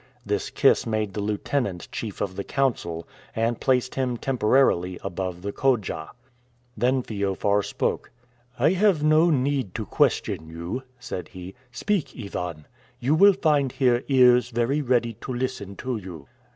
This kiss made the lieutenant chief of the council, and placed him temporarily above the khodja. Then Feofar spoke. "I have no need to question you," said he; "speak, Ivan. You will find here ears very ready to listen to you."